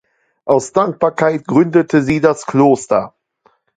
Aus Dankbarkeit gründete sie das Kloster.